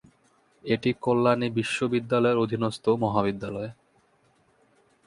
এটি কল্যাণী বিশ্ববিদ্যালয়ের অধীনস্থ মহাবিদ্যালয়।